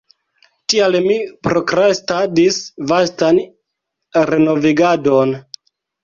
Tial mi prokrastadis vastan renovigadon.